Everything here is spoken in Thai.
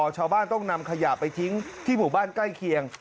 ชาวบ้านต้องนำขยะไปทิ้งที่หมู่บ้านใกล้เคียง